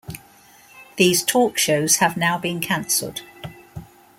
These talkshows have now been cancelled.